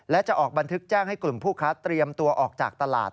และจะออกบันทึกแจ้งให้กลุ่มผู้ค้าเตรียมตัวออกจากตลาด